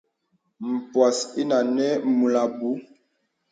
Pwas inə nə̀ mūl abù.